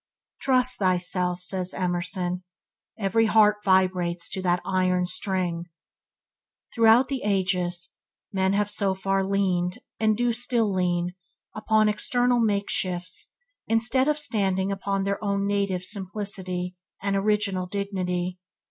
"Trust thyself", says Emerson, 'every heart vibrates to that iron string". Throughout the ages men have so far leaned, and do still lean, upon external makeshifts instead of standing upon their own native simplicity and original dignity.